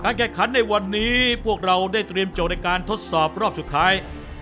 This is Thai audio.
แข่งขันในวันนี้พวกเราได้เตรียมโจทย์ในการทดสอบรอบสุดท้าย